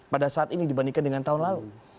pada saat ini dibandingkan dengan tahun lalu